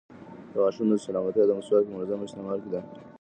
د غاښونو سلامتیا د مسواک په منظم استعمال کې ده.